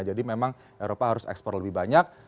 jadi memang eropa harus ekspor lebih banyak